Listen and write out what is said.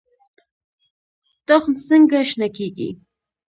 تخم څنګه شنه کیږي؟